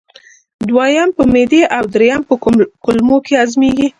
دویم په معدې او دریم په کولمو کې هضمېږي.